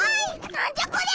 なんじゃこりゃ！